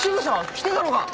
来てたのか！